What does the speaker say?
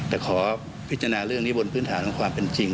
แต่ขอพิจารณาเรื่องนี้บนพื้นฐานของความเป็นจริง